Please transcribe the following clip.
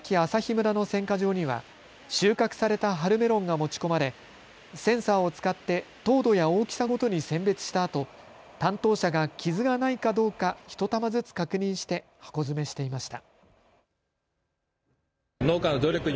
村の選果場には収穫された春メロンが持ち込まれセンサーを使って糖度や大きさごとに選別したあと担当者が傷がないかどうか１玉ずつ確認して箱詰めしていました。